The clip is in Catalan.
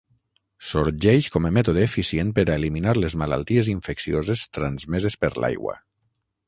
Sorgeix com a mètode eficient per a eliminar les malalties infeccioses transmeses per l'aigua.